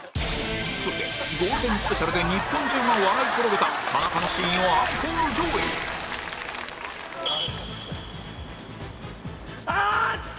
そしてゴールデンスペシャルで日本中が笑い転げた田中のシーンをアンコール上映スタート！